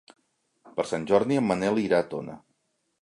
Per Sant Jordi en Manel irà a Tona.